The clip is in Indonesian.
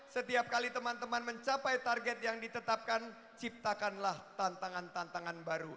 setiap kali teman teman mencapai target yang ditetapkan ciptakanlah tantangan tantangan baru